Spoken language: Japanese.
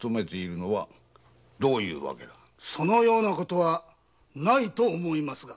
そのようなことはないと思いますが。